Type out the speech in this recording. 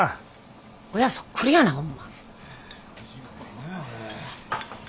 親そっくりやなホンマ。